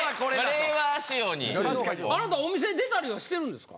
あなたお店出たりはしてるんですか？